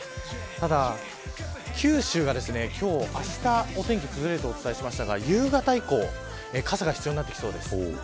ただ、九州が今日、あしたお天気崩れるとお伝えしましたが、夕方以降傘が必要になってきそうです。